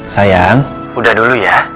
sayang udah dulu ya